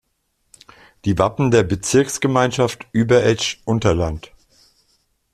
Die Wappen der Bezirksgemeinschaft Überetsch-Unterland